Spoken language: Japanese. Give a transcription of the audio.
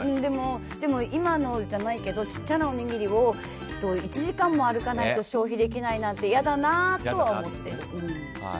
でも、今のじゃないけどちっちゃなおにぎりを１時間も歩かないと消費できないなんて嫌だなとは思ってる。